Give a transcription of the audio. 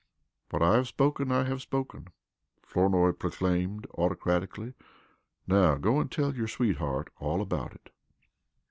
"What I have spoken I have spoken," Flournoy proclaimed autocratically. "Now, go tell your sweetheart all about it."